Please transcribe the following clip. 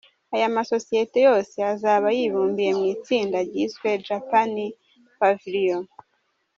Aya masosiyete yose azaba yibumbiye mu itsinda ryiswe ‘Japan Pavillion’.